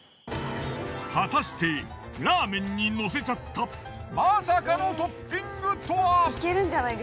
果たしてラーメンにのせちゃったまさかのトッピングとは？